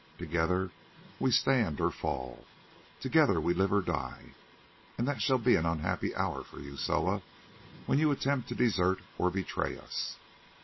Together we stand or fall, together we live or die, and that shall be an unhappy hour for you, Soa, when you attempt to desert or betray us."